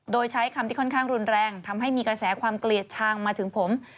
โดยใช้คำที่ค่อนข้างรุนแรงทำให้มีกระแสความเกลียดชางมาถึงผม